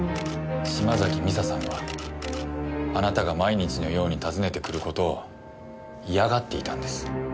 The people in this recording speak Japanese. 島崎未紗さんはあなたが毎日のように訪ねて来る事を嫌がっていたんです。